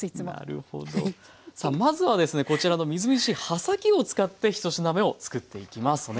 なるほどさあまずはですねこちらのみずみずしい葉先を使って１品目を作っていきます。